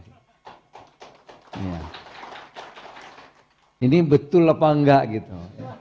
ini betul apa enggak gitu